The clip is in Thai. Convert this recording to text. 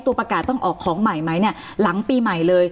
ตัวประกาศต้องออกของใหม่ไหมหลังปีใหม่เลย